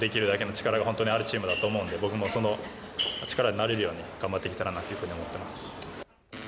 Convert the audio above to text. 力は本当にあるチームだと思うんで、僕もその力になれるように、頑張っていきたいなっていうふうに思っています。